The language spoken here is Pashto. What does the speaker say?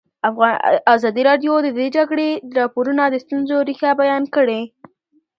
ازادي راډیو د د جګړې راپورونه د ستونزو رېښه بیان کړې.